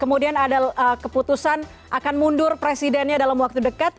kemudian ada keputusan akan mundur presidennya di masa dekat